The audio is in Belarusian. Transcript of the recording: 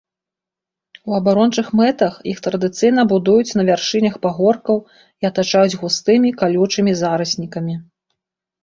У абарончых мэтах іх традыцыйна будуюць на вяршынях пагоркаў і атачаюць густымі калючымі зараснікамі.